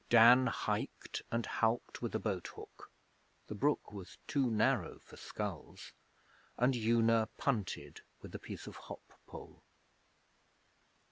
Dan hiked and howked with a boat hook (the brook was too narrow for sculls), and Una punted with a piece of hop pole.